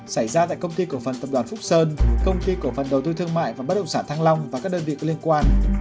xảy ra tại công ty cổ phần tập đoàn phúc sơn công ty cổ phần đầu tư thương mại và bất động sản thăng long và các đơn vị liên quan